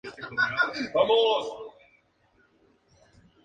Sus programas se basan en noticias, deporte y entretenimiento.